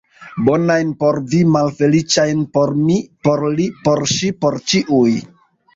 Bonajn por vi, malfeliĉajn por mi, por li, por ŝi, por ĉiuj!